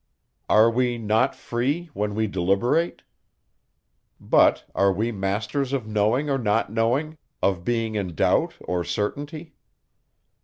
"Are we not free, when we deliberate?" But, are we masters of knowing or not knowing, of being in doubt or certainty?